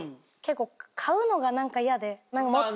買うのが何か嫌で。